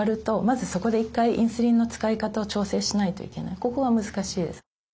でもここが難しいです。